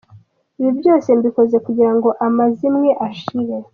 Ibi byose mbikoze kugirango amazimwe ashire.